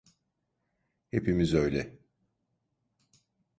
Hepimiz öyle.